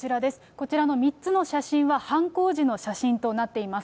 こちらの３つの写真は、犯行時の写真となっています。